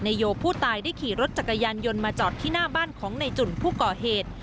โยผู้ตายได้ขี่รถจักรยานยนต์มาจอดที่หน้าบ้านของในจุ่นผู้ก่อเหตุ